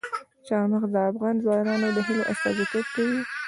چار مغز د افغان ځوانانو د هیلو استازیتوب کوي.